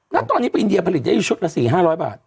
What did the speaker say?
ณตอนนี้ไปอินเดียผลิตได้อยู่ชุดละ๔๕๐๐บาท